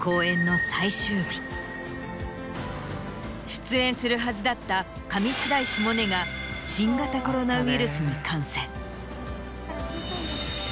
出演するはずだった上白石萌音が新型コロナウイルスに感染。